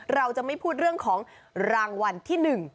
เราจะไม่พูดเรื่องของรางวัลที่๑